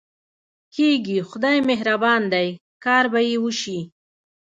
کېږي، خدای مهربانه دی، کار به یې وشي.